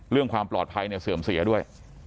เรื่องความปลอดภัยเนี่ยเสื่อมเสียด้วย